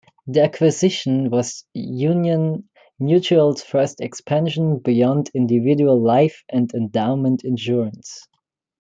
The acquisition was Union Mutual's first expansion beyond individual life and endowment insurance.